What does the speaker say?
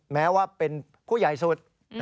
แม้ว่าเป็นผู้ใหญ่สุด